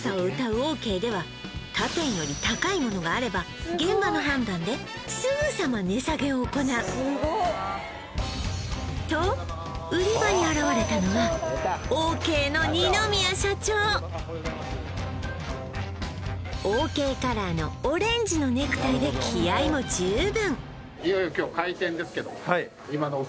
オーケーでは他店より高いものがあれば現場の判断ですぐさま値下げを行うと売り場に現れたのはオーケーのニ宮社長オーケーカラーのオレンジのネクタイで気合いも十分そうですね